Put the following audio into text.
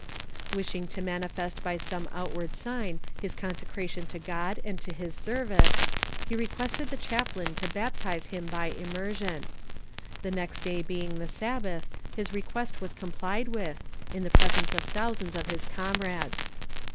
Wishing to manifest by some outward sign his consecration to God and to His service, he requested the chaplain to baptize him by immersion. The next day being the Sabbath his request was complied with, in the presence of thousands of his comrades.